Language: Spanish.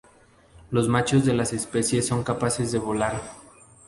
Los machos de las especies son capaces de volar.